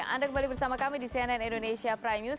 anda kembali bersama kami di cnn indonesia prime news